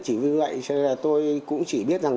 chỉ vì vậy cho nên là tôi cũng chỉ biết rằng